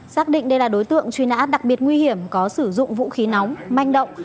xác định đây là đối tượng truy nã đặc biệt nguy hiểm có sử dụng vũ khí nóng manh động